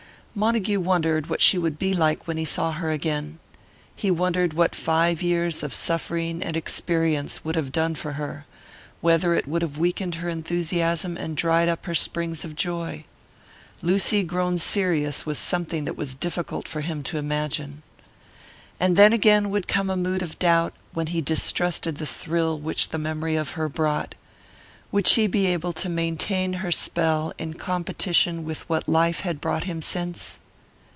Montague wondered what she would be like when he saw her again. He wondered what five years of suffering and experience would have done for her; whether it would have weakened her enthusiasm and dried up her springs of joy. Lucy grown serious was something that was difficult for him to imagine. And then again would come a mood of doubt, when he distrusted the thrill which the memory of her brought. Would she be able to maintain her spell in competition with what life had brought him since?